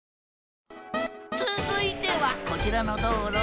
続いてはこちらの道路。